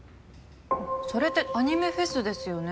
それってアニメフェスですよね？